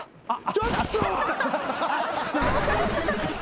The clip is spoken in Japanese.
ちょっと。